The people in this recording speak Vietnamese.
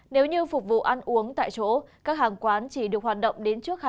nếu như phục vụ ăn uống tại chỗ các hàng quán chỉ được hoạt động đến trước hai mươi một h